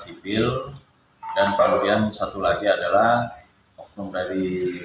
sipil dan kemudian satu lagi adalah oknum dari